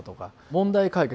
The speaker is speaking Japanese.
問題解決